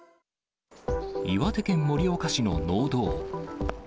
岩手県盛岡市の農道。